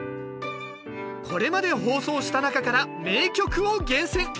これまで放送した中から名曲を厳選！